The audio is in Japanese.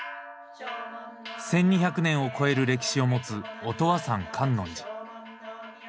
１，２００年を超える歴史を持つ音羽山観音寺。